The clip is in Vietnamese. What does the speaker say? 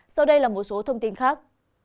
sau đây là một số thông tin khác